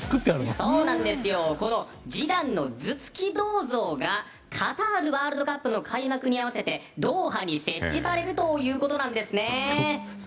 ジダンの頭突き銅像がカタールワールドカップの開幕に合わせてドーハに設置されるということなんですね。